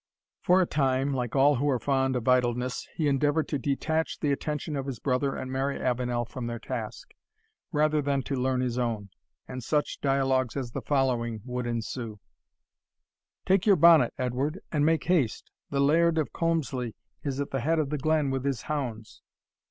For a time, like all who are fond of idleness, he endeavoured to detach the attention of his brother and Mary Avenel from their task, rather than to learn his own, and such dialogues as the following would ensue: "Take your bonnet, Edward, and make haste the Laird of Colmslie is at the head of the glen with his hounds."